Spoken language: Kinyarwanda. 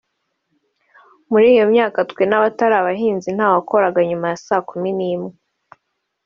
muri iyo myaka twe n’abatari abahinzi nta wakoraga nyuma ya saa kumi n’imwe